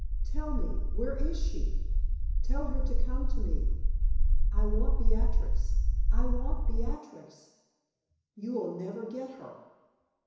Tell me where is she? Tell her to come to me. I want Beatrix I want Beatrix!" "You will never get her!"